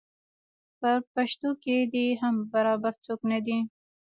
پریشتو کې دې هم برابر څوک نه دی.